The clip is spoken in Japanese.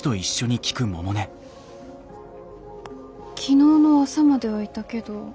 昨日の朝まではいたけど。